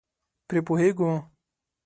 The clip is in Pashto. پرې پوهېږو.